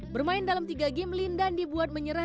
bermain dalam tiga game lindan dibuat menyerah